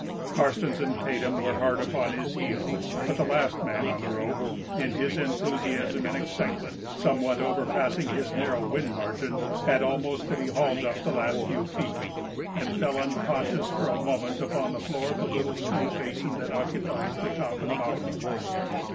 Karstens and Tatum were hard upon his heels, but the last man on the rope, in his enthusiasm and excitement somewhat overpassing his narrow wind margin, had almost to be hauled up the last few feet, and fell unconscious for a moment upon the floor of the little snow basin that occupies the top of the mountain.